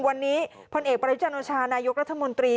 วันนี้พลเอกประวัติจันทราชานายุกรัฐมนตรี